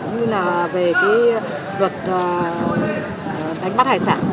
cũng như là về luật đánh bắt hải sản